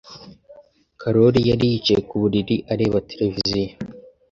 Karoli yari yicaye ku buriri, areba televiziyo.